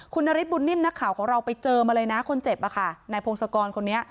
คุณนฤทธบุญนิ่มนักข่าวของเราไปเจอมาเลยนะคนเจ็บอะค่ะนายพงศกรคนนี้